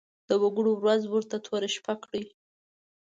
د وګړو ورځ ورته توره شپه کړي.